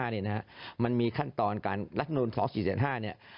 ๒๔๗๕เนี่ยนะมันมีขั้นตอนการรัฐนวณ๒๔๗๕เนี่ย